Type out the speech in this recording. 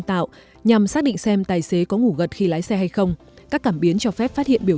tạo nhằm xác định xem tài xế có ngủ gật khi lái xe hay không các cảm biến cho phép phát hiện biểu